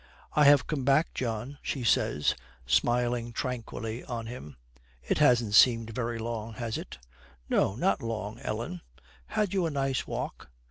'I have come back, John,' she says, smiling tranquilly on him. 'It hasn't seemed very long, has it?' 'No, not long, Ellen. Had you a nice walk?'